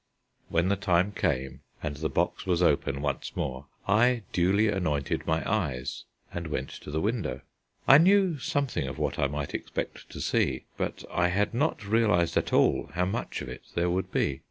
When the time came and the box was open once more, I duly anointed my eyes and went to the window. I knew something of what I might expect to see, but I had not realized at all how much of it there would be.